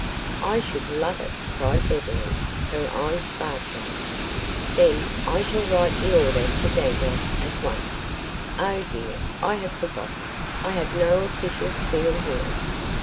"I should love it," cried Beverly, her eyes sparkling. "Then I shall write the order to Dangloss at once. Oh, dear, I have forgotten, I have no official seal here."